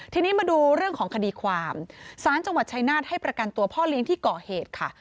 ทีนี้มาดูเรื่องของคดีความสารจังหวัดชายนาฏให้ประกันตัวพ่อเลี้ยงที่ก่อเหตุค่ะ